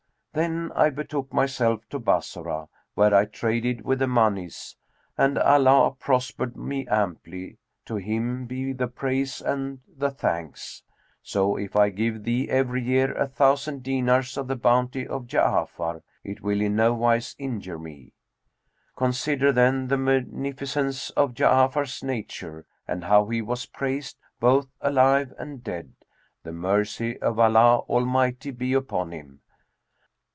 Then I betook myself to Bassorah, where I traded with the monies and Allah prospered me amply, to Him be the praise and the thanks! So, if I give thee every year a thousand dinars of the bounty of Ja'afar, it will in no wise injure me. Consider then the munificence of Ja'afar's nature and how he was praised both alive and dead, the mercy of Allah Almighty be upon him!